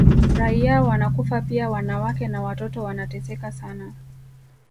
Raia wanakufa pia wanawake na watoto wanateseka sana